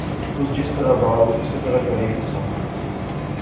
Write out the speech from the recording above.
تس جس طرح بائو اسے طرح کری ہنساں